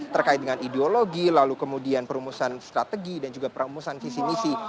terkait dengan ideologi lalu kemudian perumusan strategi dan juga perumusan visi misi